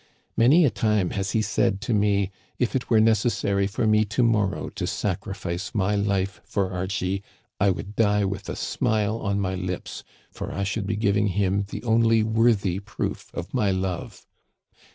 Many a time has he said to me :* If it were neces sary for me to morrow to sacrifice my life for Archie, I would die with a smile on my lips, for I should be giving him the only worthy proof of my love.